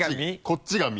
こっちが「み」